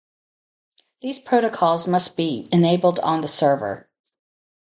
These protocols must be enabled on the server.